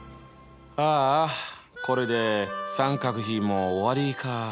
ああこれで三角比も終わりか。